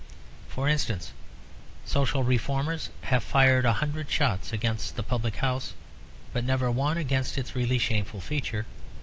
For instance, social reformers have fired a hundred shots against the public house; but never one against its really shameful feature.